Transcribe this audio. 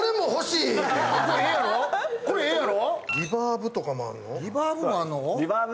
これ、ええやろ！